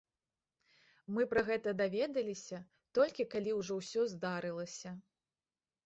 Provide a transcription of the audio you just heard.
Мы пра гэта даведаліся, толькі калі ўжо ўсё здарылася.